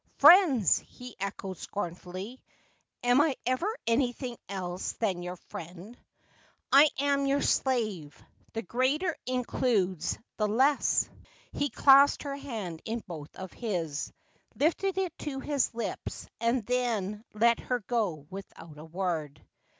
'Friends!' he echoed scornfully, ' am I over anything else than your friend ? I am your slave. The greater includes the less.'' He clasped her hand in both of his, lifted it to his lips, and then let her go without a word.